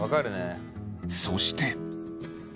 そして。